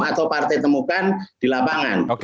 atau partai temukan di lapangan